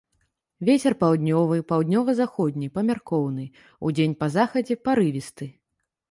Вецер паўднёвы, паўднёва-заходні памяркоўны, удзень па захадзе парывісты.